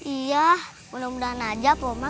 iya mudah mudahan aja pak umar